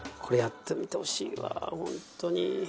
これやってみてほしいわ本当に。